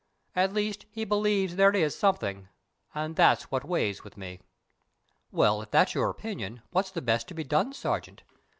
At least, he believes there is something, and that's what weighs with me." "Well, if that's your opinion, what's best to be done Sergeant?